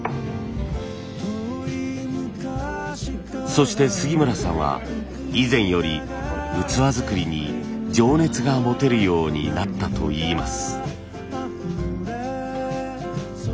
そして杉村さんは以前より器作りに情熱が持てるようになったといいます。